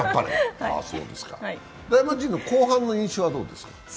大魔神の後半の印象はどうですか。